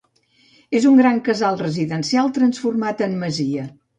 És un gran casal residencial, transformat en masia.